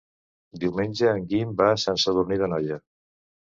Diumenge en Guim va a Sant Sadurní d'Anoia.